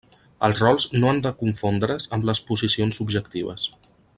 Els rols no han de confondre's amb les posicions objectives.